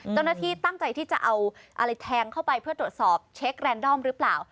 เจ้าหน้าที่ตั้งใจที่จะเอาอะไรแทงเข้าไปเพื่อตรวจสอบเช็คแรนดอมหรือเปล่า